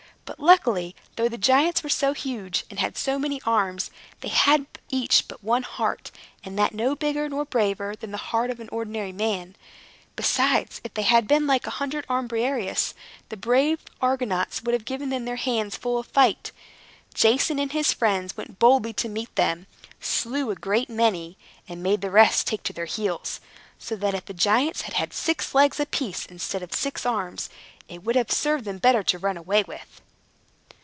But, luckily, though the giants were so huge, and had so many arms, they had each but one heart, and that no bigger nor braver than the heart of an ordinary man. Besides, if they had been like the hundred armed Briareus, the brave Argonauts would have given them their hands full of fight. Jason and his friends went boldly to meet them, slew a great many, and made the rest take to their heels, so that if the giants had had six legs apiece instead of six arms, it would have served them better to run away with.